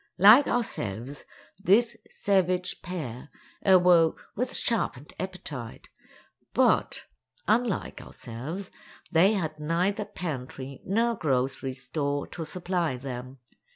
Like ourselves, this savage pair awoke with sharpened appetite, but, unlike ourselves, they had neither pantry nor grocery store to supply them.